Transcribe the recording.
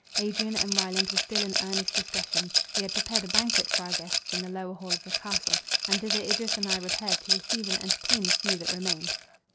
Adrian and Ryland were still in earnest discussion. We had prepared a banquet for our guests in the lower hall of the castle; and thither Idris and I repaired to receive and entertain the few that remained.